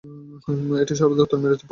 এটি সর্বদাই উত্তর মেরু পথকে নির্দেশ করে।